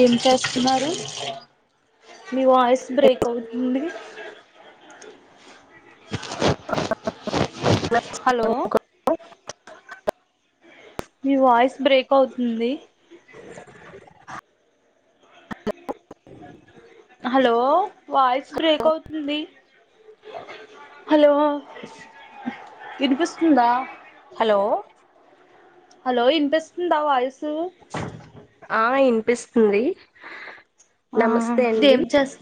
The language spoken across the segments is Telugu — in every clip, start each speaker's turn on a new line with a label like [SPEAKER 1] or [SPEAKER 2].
[SPEAKER 1] ఏం చేస్తున్నారు మీ వాయిస్ బ్రేక్ అవుతుంది హలో
[SPEAKER 2] [inaudible]
[SPEAKER 1] మీ వాయిస్ బ్రేక్ అవుతుంది హలో వాయిస్ బ్రేక్ అవుతుంది హలో వినిపిస్తుందా
[SPEAKER 2] హలో
[SPEAKER 1] హలో ఇన్పిస్తుందా వాయుసు
[SPEAKER 2] ఆ ఇనిపిస్తుంది
[SPEAKER 1] ఆ
[SPEAKER 2] నమస్తే అండి
[SPEAKER 1] ఏం చేస్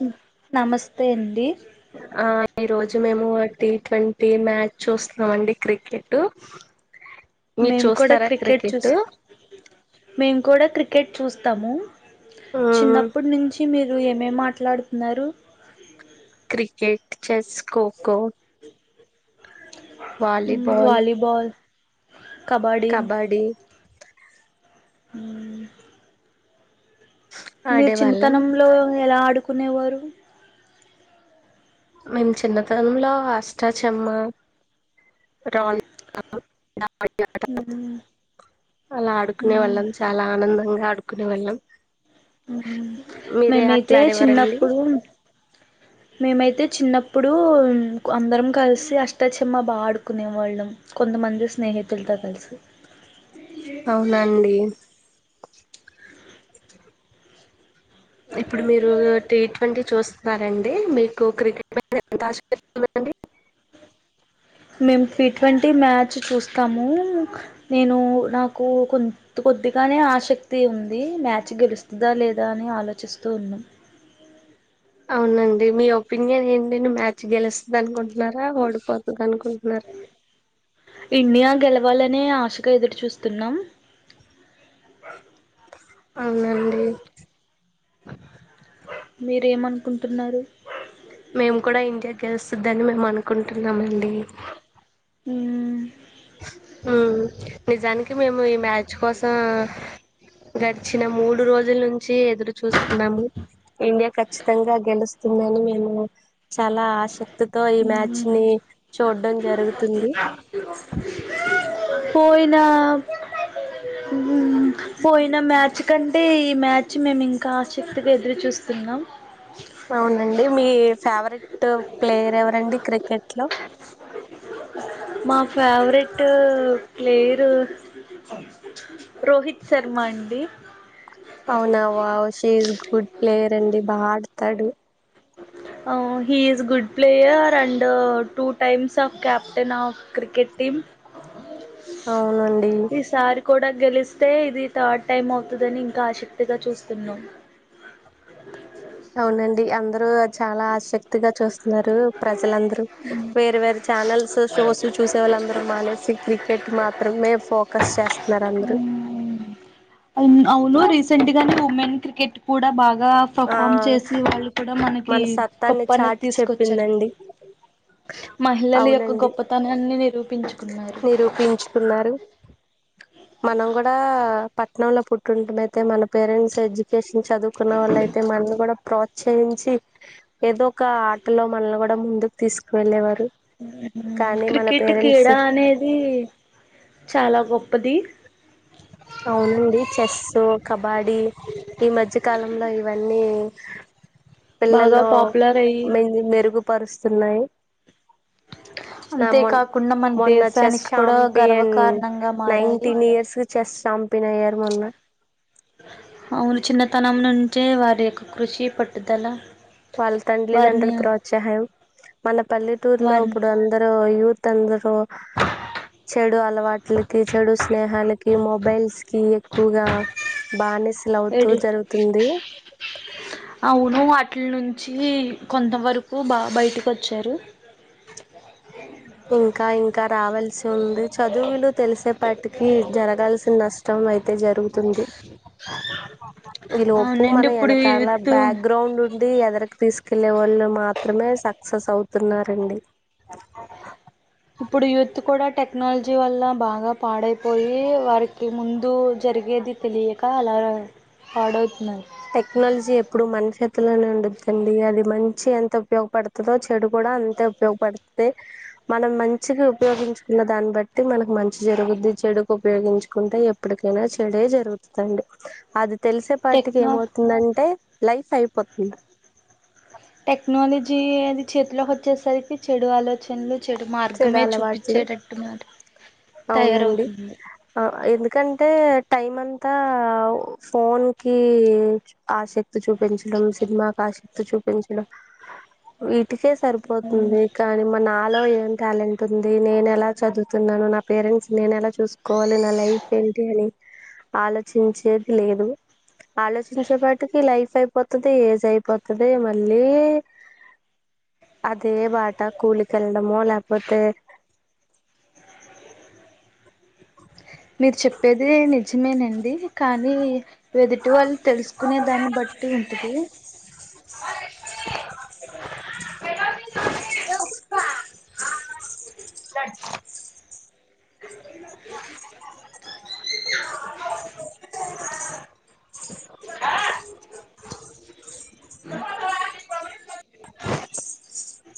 [SPEAKER 1] నమస్తే అండి
[SPEAKER 2] ఆ ఈ రోజు మేము టీ ట్వంటీ మ్యాచ్ చూస్తున్నామ అండి క్రికెటు
[SPEAKER 1] మేము కూడా క్రికెట్ చూస్తాం మేము కూడా క్రిక్ కెట్ చూస్తాము
[SPEAKER 2] మ్మ్
[SPEAKER 1] చిన్నప్పుటి నుంచి కి మీరు ఏమేం మాట్లాడుతున్నారు
[SPEAKER 2] క్రికెట్ చెస్ ఖోఖో
[SPEAKER 1] ఊమ్ వాలీబాల్ కబడ్డీ
[SPEAKER 2] కబడిీ
[SPEAKER 1] ఊమ్ మీరు
[SPEAKER 2] ఆడేవాళ్ళం
[SPEAKER 1] చిన్నతనంలో ఎలా ఆడుకు కొనేవారు
[SPEAKER 2] మేము చిన్నతనంలో అష్టాచమ్మా రా ట
[SPEAKER 1] మ్మ్
[SPEAKER 2] అలా ఆడుకునే
[SPEAKER 1] మ్మ్
[SPEAKER 2] వాళ్ళం చాలా ఆనందంగా ఆడు కునే వాళ్ళం
[SPEAKER 1] ఊమ్
[SPEAKER 2] మీరే
[SPEAKER 1] మేమైతే
[SPEAKER 2] అట్లా ఆడేవారండి
[SPEAKER 1] చిన్నప్పుడు మేమైతే చిన్నప్పు ప్పుడు అందరం కలిసి అష్టాచమ్మా బాగా ఆడుకునే వాళ్ళం కొంతమంది స్నేహితులతో కలిసి
[SPEAKER 2] అవున్నా అండి [inaudible] ఇప్పుడు మీరు టీ ట్వంటీ చూస్ న్నారండి మీకు క్రికెట్ మీద ఎంత ఆసక్తి ఉందండి
[SPEAKER 1] మేము టీ ట్వంటీ మ్యాచ్ చూస్తాము నేను నాకు కొ కొద్దిగానే ఆసక్తి ఉంది మ్యాచ్ గెలుస్తదా లేదా అని ఆలోచిస్తూ ఉన్నాం
[SPEAKER 2] అవునండి మీ ఒపీనియన్ ఏంటి నువ్ మ్యాచ్ గెలుస్తద అనుకుం న్నారా ఓడిపోతుంది అనుకుంటున్నారా
[SPEAKER 1] వాలనే ఆశగా ఎదురు చూస్తున్నాం
[SPEAKER 2] అవునండి
[SPEAKER 1] మీరేమనుకుంటున్నారు
[SPEAKER 2] మేము కూడా ఇండియా గెలుస్తుందని మేము అనుకుంటున్నాం అండి
[SPEAKER 1] ఊమ్
[SPEAKER 2] ఆ గడిచిన మూడు రోజుల నుంచి ఎదురు చూస్తున్నాము ఇండియా ఖచ్చితంగా గెలుస్తుందని మేము చాలా ఆశక్తి తితో ఈ మ్యాచ్
[SPEAKER 1] మ్మ్
[SPEAKER 2] ని చూడడం జరుగుతుంది
[SPEAKER 1] పోయిన పోయిన మ్యాచ్ కంటే ఈ మ్యాచ్ మేము ఇంకా ఆసక్తిగా ఎదురుచూస్తున్నాం
[SPEAKER 2] అవునండి మీ ఫేవరెట్ ప్లేయర్ ఎవరండి క్రికెట్ లో
[SPEAKER 1] మా ఫేవరెట్ ప్లేయరు రోహిత్ శర్మ అండి
[SPEAKER 2] అవునావా షీ ఈస్ గుడ్ ప్లేయర్ అండి బాగా ఆడతాడు
[SPEAKER 1] he is good player and two times of captain of cricket team
[SPEAKER 2] అవునండి
[SPEAKER 1] ఈసారి కూడా గెలిస్తే ఇది థర్డ్ టైం అవుతుందని ఇంకా ఆసక్తిగా చూస్తున్నాం
[SPEAKER 2] అవునండి అందరూ చాలా ఆసక్తి పూర్తిగా చూస్తున్నారు ప్రజలందరూ వేరు వేరు ఛానల్స్ షోస్ చూసే వాళ్ళందరూ మానేసి క్రికెట్ మాత్రమే ఫోకస్ చేస్త నర అందరూ
[SPEAKER 1] అవును రీసెంట్ గానే ఉమెన్ క్రికెట్ కూడా బాగా
[SPEAKER 2] ఆ
[SPEAKER 1] పర్ఫామ్ చేసి వాళ్ళు కూడా మనకి
[SPEAKER 2] మన సత్తాన్ని
[SPEAKER 1] కప్పు అనేది
[SPEAKER 2] చాటి
[SPEAKER 1] తీసుకొచ్చారు
[SPEAKER 2] చెప్పిందండి
[SPEAKER 1] మహిళల యొక్క
[SPEAKER 2] అవునండి
[SPEAKER 1] గొప్పతనాన్ని నిరూపించుకున్నారు
[SPEAKER 2] నిరూపించుకున్నారు మనం కూడా పట్టణం లో పుట్టింట అయితే మన పేరెంట్స్ ఎడ్యుకేషన్ చదువుకున్న వాళ్ళ అయితే మన కూడా ప్రోత్సహించి ఏదో ఒక ఆటలో మనల్ని కూడా ముందుకు తీసుకు వెళ్ళేవారు
[SPEAKER 1] క్రికెట్ క్రీడా అనేది చాలా గొప్పది
[SPEAKER 2] అవునుండి చెస్సు కబడీ ఈ మధ్యకాలంలో ఇవన్నీ
[SPEAKER 1] బాగా
[SPEAKER 2] పిల్లల్లో
[SPEAKER 1] పాపులర్ అయ్యి
[SPEAKER 2] మది మెరుగు పరుస్తున్నాయి
[SPEAKER 1] అంతేకాకుండా మన
[SPEAKER 2] మొన్న చెస్
[SPEAKER 1] దేశానికి కూడా
[SPEAKER 2] ఛాంపియన్
[SPEAKER 1] గర్వకారణంగా మారాయి
[SPEAKER 2] నైన్టీన్ ఇయర్స్ చెస్ చాంపిన్య్యార మొన్న
[SPEAKER 1] అవును చిన్నతనం నుంచే వారి యొక్క కృషి పట్టుదల
[SPEAKER 2] వాళ్ల
[SPEAKER 1] వారిని
[SPEAKER 2] తల్లిదండ్రుల ప్రోత్సాహం మన పల్లెటూరులో
[SPEAKER 1] వారిని
[SPEAKER 2] ఇప్పుడు అందరూ యూత్ [unintelligible] ఒ చెడు అలవాట్లకి చెడు స్నేహానికి మొబైల్స్ కి ఎక్కువగా బానే బానిసలవుతూ
[SPEAKER 1] ఎడిట్
[SPEAKER 2] జరుగుతుంది
[SPEAKER 1] అటిల నుంచి కొంతవరకు బా బయటకు వచ్చారు
[SPEAKER 2] ఇంకా ఇంకా రావాల్సి ఉంది చదువులు తెలిసేపాటికి జరగాల్సిన నష్టం అయితే జరుగుతుంది ఈ లోపు
[SPEAKER 1] అవునండి
[SPEAKER 2] మన
[SPEAKER 1] ఇప్పుడు
[SPEAKER 2] ఎనకాల
[SPEAKER 1] యూత్
[SPEAKER 2] బ్యాక్ గ్రౌండ్ ఉండి ఎదరిక తీసుకెళ్ళే వాళ్ళు మాత్రమే సక్సెస్ అవుతున్నారండి
[SPEAKER 1] ఇప్పుడు యూత్ కూడా టెక్నాలజీ వల్ల బాగా పాడైపోయి వారికి ముందు జరిగేది తెలియక అలా పాడవుతున్నారు
[SPEAKER 2] టెక్నాలజీ ఎప్పుడు మన చేత్తులోనే ఉండిదండి అది మంచి ఎంత ఉపయోగపడతదో చెడు కూడా అంతే ఉపయోగపడతది మనం మంచిగా ఉపయోగించుకున్న దాన్ని బట్టి మనకు మంచి జరుగుద్ది చెడుకి ఉపయోగించుకుంటే ఎప్పటికైనా చెడే జరుగుతుదండి అది తెలుసు ఇటిక
[SPEAKER 1] టెక్నో
[SPEAKER 2] ఏమవుతుందంటే లైఫ్ అయిపోతుంది
[SPEAKER 1] జ అది చేతిలోకి వచ్చేసరికి చెడు ఆలోచనలు చెడు
[SPEAKER 2] చెడు
[SPEAKER 1] మార్గమే
[SPEAKER 2] అలవాట్లు
[SPEAKER 1] చూపించేటట్టు నాడు
[SPEAKER 2] అవునండి
[SPEAKER 1] తయారవుతుంది
[SPEAKER 2] ఆ ఎందుకంటే టైం అంతా ఫోన్ కి ఆసక్తి క్తి చూపించడం సినిమాకాశం క్తి చూపించడం ఈటికే సరిపోతుంది కానీ మ నా హలో ఏ టాలెంట్ ఉంది నేను ఎలా చదువుతున్నాను నా పేరెంట్స్ నేను ఎలా చూసుకోవాలి నా లైఫ్ ఏంటి అని ఆలోచించేది లేదు ఆలోచించే పాటికి లైఫ్ అయిపోతది ఏజ్ అయిపోతది మళ్ళీ అదే బాట కూలికెళ్ళడమో లేకపో పోతే
[SPEAKER 1] మీరు చెప్పేది నిజమేనండి కానీ ఎదుటి వాళ్ళు తెలుసుకునే దాన్ని బట్టి ఉంటది
[SPEAKER 2] [inaudible] [inaudible]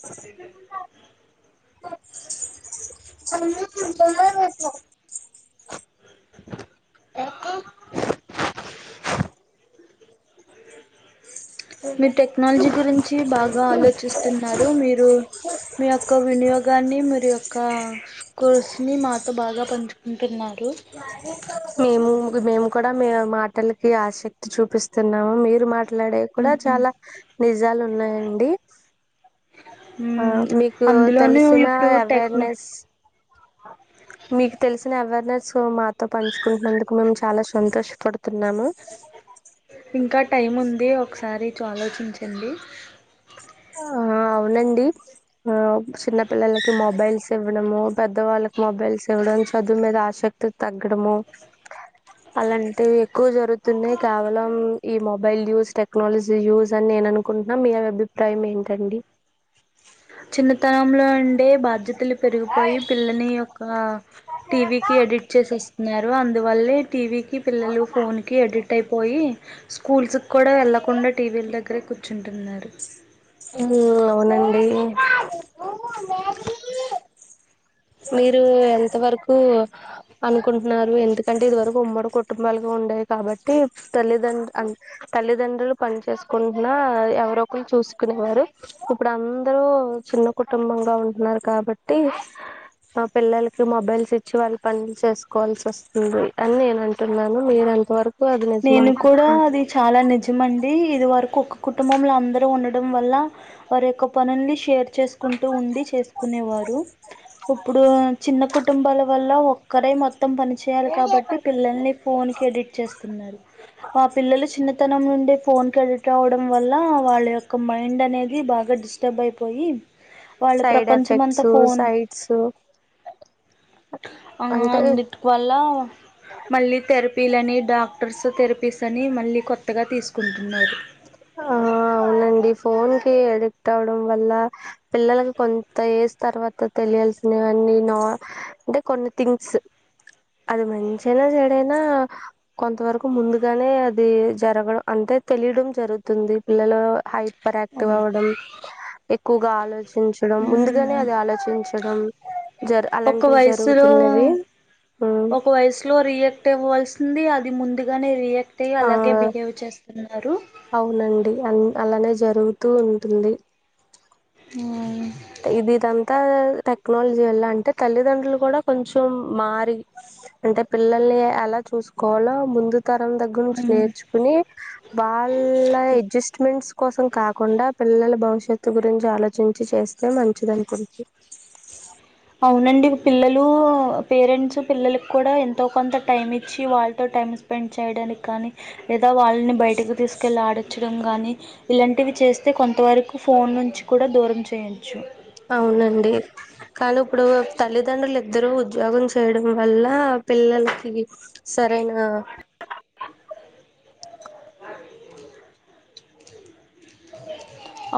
[SPEAKER 2] అ వ [inaudible] [inaudible]
[SPEAKER 1] మీ టెక్నాలజీ గురించి బాగా ఆలోచిస్తున్నారు మీరు మీ యొక్క వినియోగాన్ని మీ యొక్క స్ర్స్ని [unintelligible] మాతో బాగా పంచు ఇంటన్నా [unintelligible]
[SPEAKER 2] మేము మేము కూడా మే మాటలకి ఆసక్తి చూపిస్తున్నాము మీరు మా మాట్లాడే కూడా చాలా నిజాలు ఉన్నాయండి ఆ మీకు
[SPEAKER 1] అందులోనూ
[SPEAKER 2] తెలిసిన
[SPEAKER 1] ఇప్పుడు టెక్నో
[SPEAKER 2] అవేర్నెస్ మీకు తెలిసిన అవేర్నెస్ మాతో పంచుకుంటున్నందుకు మేము చాలా సంతోషపడుతున్నాము
[SPEAKER 1] ఇంకా టైం ఉంది ఒకసారి చ ఆలోచించండి
[SPEAKER 2] ఆ అవునండి ఆ చిన్న పిల్లలకి మొబైల్స్ ఇవ్వడము పెద్ద వాళ్ళకి మొబైల్స్ ఇవ్వడం చదువు మీద ఆసక్తి తగ్గడము అలాంటివి ఎక్కువ జరుగుతున్నాయి కేవలం ఈ మొబైల్ యూజ్ టెక్నాలజీ యూస్ అని నేను అనుకుంటున్నా మీ టై ఏంటండీ
[SPEAKER 1] చిన్నతనంలో అ అంటే బాధ్యతలు పెరిగిపోయి పిల్లని యొక్క టీవీకి ఎడిట్ చేసెయ్ వస్తున్నారు అందువల్లే టీవీ ఈ పిల్లలు ఫోన్ కి ఎడిట్ అయిపోయి స్కూల్స్ కు కూడా వెళ్లకుండా టీవీల దగ్ అక్కడే కూర్చుంటున్నారు
[SPEAKER 2] అవునండి మీరు ఎంతవరకు అనుకుంటున్నారు ఎందుకంటే ఇదివరకు ఉమ్మడి కుటుంబాలుగా ఉండేయి కాబట్టి తల్లిదండ్ తల్లిదండ్రులు పని చేసుకుంటున్నా ఎవరో ఒకరు చూస్ కునేవారు ఇప్పుడు అందరూ చిన్న కుటుంబంగా ఉంటున్నారు కాబట్టి ఆ పిల్లలకి మొబైల్స్ ఇచ్చి వాళ్ళు పనులు చేసుకోవాల్సి వస్తుంది అని నేను అంటున్నాను మీరెంతవరక్
[SPEAKER 1] నేను కూడా అది చాలా నిజమండి ఇది వరకు ఒక్ కుటుంబంలో అందరూ ఉండడం వల్ల వారి యొక్క పనుని షేర్ చేసుకుంటూ ఉండి చేసుకునేవారు ఇప్పుడు చిన్న కుటుంబాల వల్ల ఒ క్కరే మొత్ మొత్తం పని చేయాలి కాబట్టి పిల్లల్ని ఫోన్ కి ఎడిట్ చేస్ మా పిల్లలు చిన్న ది త్తనం నుండే ఫోన్ కి ఎడెక్ట్ అవ్వడం వల్ల వాళ్ళ యొక్క మైండ్ అనేది బాగా డిస్టర్బ్ అయిపోయి వాళ్ళ
[SPEAKER 2] సైడ్
[SPEAKER 1] ప్రపంచం అంతా
[SPEAKER 2] ఎఫెక్ట్స్
[SPEAKER 1] ఫోన్
[SPEAKER 2] సైడ్స్
[SPEAKER 1] ఆ
[SPEAKER 2] అంటే
[SPEAKER 1] అన్నిటి వల్ల మళ్ళీ థెరపీలని డాక్టర్స్ థెరపీస్ అని మళ్ళీ కొత్తగా తీసుకుంటున్నారు
[SPEAKER 2] ఆ అవునండి ఫోన్ కి ఎడిక్ట్ అవ్వడం వల్ల పిల్లలకి కొంత ఏజ్ తర్వాత తెలియాల్సినవన్నీ నా అంటే కొన్ని థింగ్స్ అది మంచిఅయినా చెడైనా కొంతవరకు ముందుగానే అది జరగడం అంతే తెలియడం జరుగుతుంది పిల్లల హై పర్ క్టివ్
[SPEAKER 1] అవును
[SPEAKER 2] అవ్వడం ఎక్కువగా ఆలోచించడం ముందుగానే
[SPEAKER 1] ఉమ్
[SPEAKER 2] అది ఆలోచించడం జ
[SPEAKER 1] ఒక
[SPEAKER 2] అలాంటివి
[SPEAKER 1] వయసులో
[SPEAKER 2] జరుగుతున్నవి
[SPEAKER 1] ఒక
[SPEAKER 2] [unintelligible]
[SPEAKER 1] వయసులో రియాక్ట్ అవ్వాల్సింది ముందుగానే రియాక్ట్ అయి
[SPEAKER 2] ఆ
[SPEAKER 1] అలాగే బిహేవ్ చేస్తున్నారు
[SPEAKER 2] అవునండి అన్ అలానే జరుగుతూ ఉంటుంది
[SPEAKER 1] ఆ
[SPEAKER 2] ఇది ఇదంతా టెక్నాలజీ వల్ల అంటే తల్లిదండ్రులు కూడా కొంచెం మారి అంటే పిల్లల్ని ఎలా చూసుకోవాలో ముందు తరం దగ్గర నుంచి
[SPEAKER 1] ఉమ్
[SPEAKER 2] నేర్చుకుని వాళ్ళ అడ్జస్ట్మెంట్స్ కోసం కాకుండా పిల్లల భవిష్యత్ చెతు గురించి ఆలోచించి చేస్ అే మంచిదాని గురించి
[SPEAKER 1] అవునండి పిల్లలు పేరెంట్స్ పిల్లలకి కూడా ఎంతో కొంత టైం ఇచ్చి వాళ్ళతో టైం స్పెండ్ చేయడానికి కానీ లే దా వాళని బయటకి తీసుకెళ్లి ఆడి చడం కానీ ఇలాంటివి చేస్తే కొంతవరకు ఫోన్ నుంచి కూడా దూరం చేయొచ్చు
[SPEAKER 2] అవునండి కానీ ఇప్పుడు తల్లిదండ్రులు ఇద్దరు ఉద్యోగం చేయడం వల్ల పిల్లలకి సరైన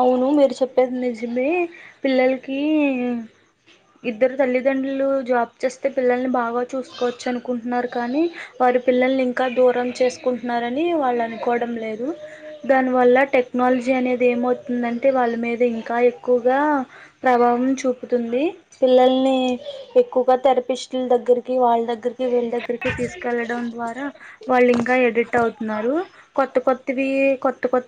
[SPEAKER 1] అవును మీరు చెప్పేది నిజమే పిల్లలకి ఇద్దరు తల్లిదండ్రులు జాబ్ చేస్తే పిల్లల్ని బాగా చూసుకోవచ్చు అనుకుంటున్నారు కానీ వారి పిల్లల్ని ఇంకా దూరం చేసుకుంటున్నారని వాళ్ళు అనుకోవడం లేదు దానివల్ల టెక్నాలజీ అనేది ఏమవుతుందంటే వాళ్ళ మీద ఇంకా ఎక్కువగా ప్రభావం చూపుతుంది పిల్లల్ని ఎక్కువగా థెరపిస్టుల దగ్గరికి వాళ్ళ దగ్గరికి వీళ్ళ దగ్గరికి తీసుకెళ్లడం ద్వారా వాళ్ళు ఇంకా ఎడిట్ అవుతున్నారు కొత్త కొత్తవి కొత్త కొత్త